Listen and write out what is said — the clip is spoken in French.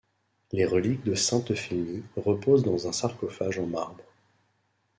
Les reliques de sainte Euphémie reposent dans un sarcophage en marbre.